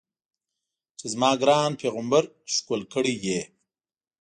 چې زما ګران پیغمبر ښکل کړی یې.